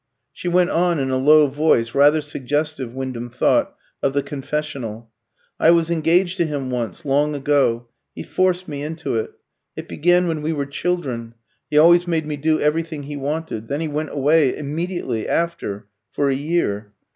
She went on in a low voice, rather suggestive, Wyndham thought, of the confessional: "I was engaged to him once long ago he forced me into it. It began when we were children. He always made me do everything he wanted. Then he went away immediately after for a year.